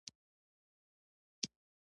هغې په ژړغوني آواز اشرف خان ته په خطاب وويل.